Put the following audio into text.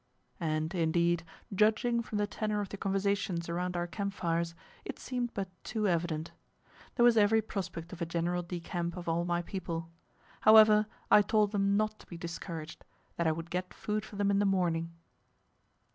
And, indeed, judging from the tenor of the conversations around our camp fires, it seemed but too evident. There was every prospect of a general decamp of all my people. However, I told them not to be discouraged; that I would get food for them in the morning.